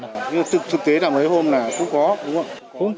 nhưng thực tế là mấy hôm này cũng có đúng không ạ